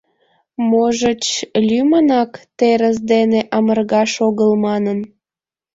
Можыч, лӱмынак, терыс дене амыргаш огыл манын.